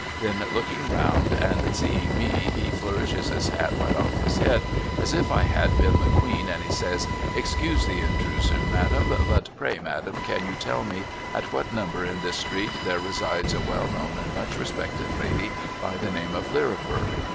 ' Then looking round and seeing me he flourishes his hat right off his head as if I liad been the queen and he says, ' Excuse the intrusion Madam, but pray Madam can you tell me at what number in this street there resides a well known and much respected lady l)y the name of Lirriper?'